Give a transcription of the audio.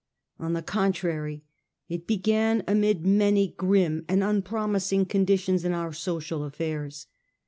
On the contrary, it began amid many grim and unpromising conditions in our social affairs.